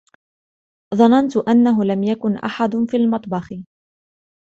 ظننت أنه لم يكن أحد في المطبخ.